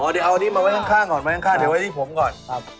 อ๋อเดี๋ยวเอาอันนี้มาไว้ข้างเดี๋ยวไว้ที่ผมก่อน